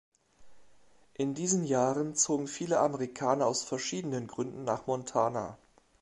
In diesen Jahren zogen viele Amerikaner aus verschiedenen Gründen nach Montana.